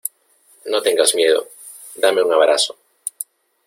no tengas miedo, dame un abrazo.